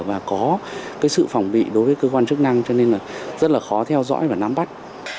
và có cái sự phòng bị đối với cơ quan chức năng cho nên là rất là khó theo dõi và nắm bắt